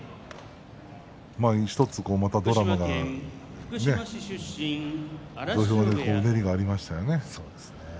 １つ、またドラマが土俵で、うねりがありましたね。